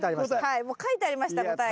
はいもう書いてありました答えが。